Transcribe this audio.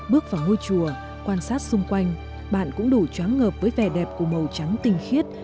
bước vào ngôi chùa quan sát xung quanh bạn cũng đủ chóng ngợp với vẻ đẹp của màu trắng tinh khiết